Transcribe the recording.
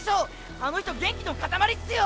あの人元気のカタマリっすよ！